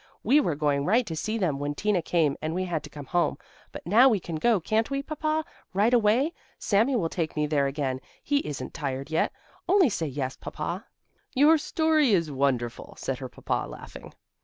We were going right to see them when Tina came and we had to come home. But now we can go, can't we, Papa, right away? Sami will take me there again; he isn't tired yet. Only say yes, Papa." "Your story is wonderful," said her Papa, laughing.